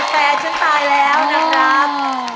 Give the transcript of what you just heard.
แฟนฉันตายแล้วนะครับ